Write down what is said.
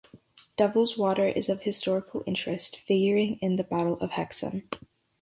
Devil's Water is of historical interest, figuring in the Battle of Hexham.